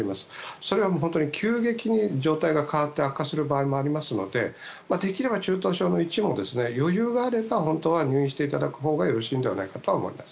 それは本当に急激に状態が変わって悪化する場合もありますのでできれば中等症の１も余裕があれば本当は入院していただくことがよろしいのではないかと思います。